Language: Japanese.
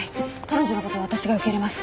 彼女のことは私が受け入れます。